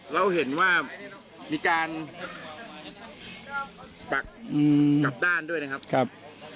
เราเห็นว่ามีการกักกลับด้านด้วยนะครับ